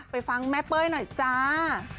ฟังแม่เป้ยหน่อยจ้า